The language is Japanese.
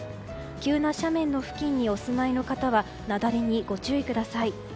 急な斜面の付近にお住まいの方は雪崩にご注意ください。